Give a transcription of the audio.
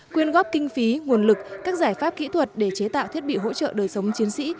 quyên góp kinh phí nguồn lực các giải pháp kỹ thuật để chế tạo thiết bị hỗ trợ đời sống chiến sĩ